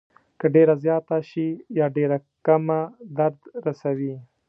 که ډېره زیاته شي یا ډېره کمه درد رسوي.